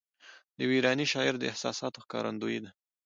د یوه ایراني شاعر د احساساتو ښکارندوی ده.